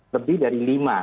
lebih dari lima